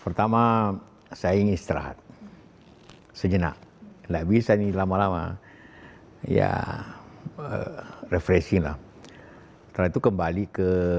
pertama saya ingin istirahat sejenak lebih seni lama lama ya refreshing lah terlalu kembali ke